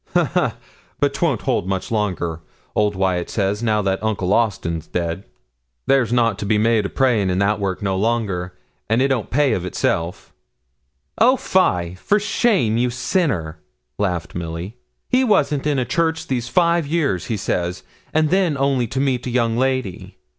Ha, ha! But 'twon't hold much longer, old Wyat says, now that Uncle Austin's dead; there's nout to be made o' praying and that work no longer, and it don't pay of itself.' 'O fie! For shame, you sinner!' laughed Milly. 'He wasn't in a church these five years, he says, and then only to meet a young lady.